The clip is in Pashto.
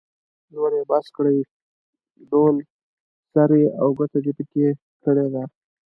نور يې بس کړئ؛ ډول سری او ګوته دې په کې کړې ده.